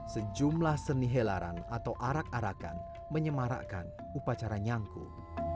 sejumlah seni helaran atau arak arakan menyemarakkan upacara nyangkuk